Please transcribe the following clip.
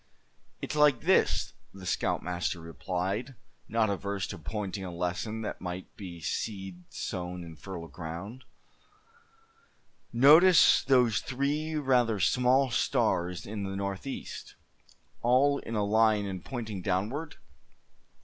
"It's like this," the scoutmaster replied, not averse to pointing a lesson that might be seed sown in fertile ground; "notice those three rather small stars in the northeast, all in a line and pointing downward?